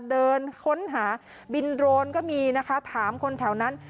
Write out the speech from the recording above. เดินค้นหาบินโดรนก็มีนะคะถามคนแถวนั้น